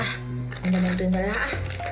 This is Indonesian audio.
ah anda bantuin saya ah